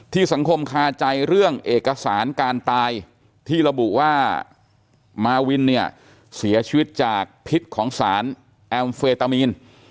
สังคมคาใจเรื่องเอกสารการตายที่ระบุว่ามาวินเนี่ยเสียชีวิตจากพิษของสารแอมเฟตามีน